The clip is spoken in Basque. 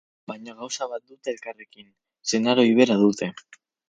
Baina gauza bat dute elkarrekin: senar ohi bera dute.